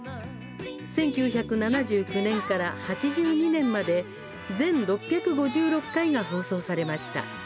１９７９年から８２年まで全６５６回が放送されました。